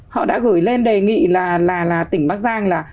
họ đã gửi lên đề nghị là tỉnh bắc giang là